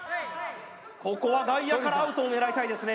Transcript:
ここは外野からアウトを狙いたいですね